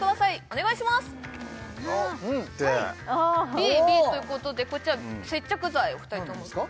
ＢＢということでこちら接着剤お二人ともなんでですか？